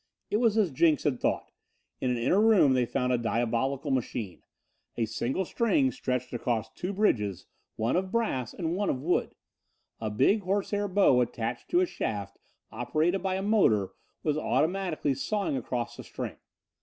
It was as Jenks had thought. In an inner room they found a diabolical machine a single string stretched across two bridges, one of brass and one of wood. A big horsehair bow attached to a shaft operated by a motor was automatically sawing across the string.